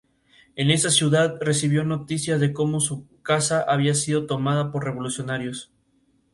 En esa ciudad recibió noticias de cómo su casa había sido tomada por revolucionarios.